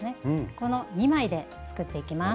この２枚で作っていきます。